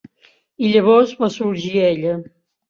I llavors va sorgir ella.